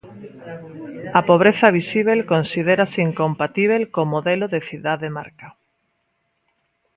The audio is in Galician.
A pobreza visíbel considérase incompatíbel co modelo da cidade marca.